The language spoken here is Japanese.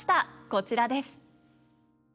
こちらです。